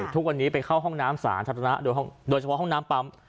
ทุกวันนี้ไปเข้าห้องน้ำสาธารณะโดยเฉพาะห้องน้ำปั๊ม